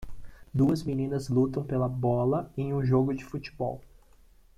Duas meninas lutam pela bola em um jogo de futebol.